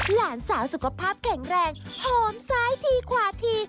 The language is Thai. หลานสาวสุขภาพแข็งแรงหอมซ้ายทีขวาที